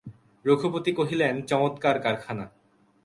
রঘুপতি কহিলেন, চমৎকার কারখানা।